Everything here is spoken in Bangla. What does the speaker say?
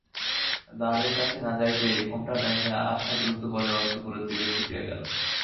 দ্বারের কাছে না যাইতেই ঘোমটা টানিয়া আশা দ্রুতপদে অন্তঃপুরের দিকে ছুটিয়া গেল।